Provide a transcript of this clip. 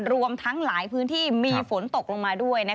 รวมทั้งหลายพื้นที่มีฝนตกลงมาด้วย